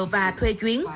và thuê chuyến